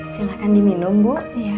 silahkan diminum bu